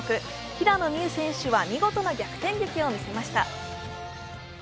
平野美宇選手は見事な逆転劇を見せました。